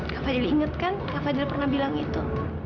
kak fadil ingat kan kak fadil pernah bilang itu